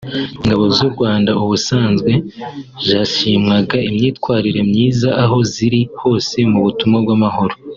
Ingabo z’u Rwanda ubusanzwe zashimwaga imyitwarire myiza aho ziri hose mu butumwa bw’amahoro